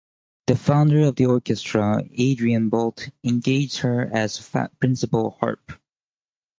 The founder of the orchestra, Adrian Boult, engaged her as Principal Harp.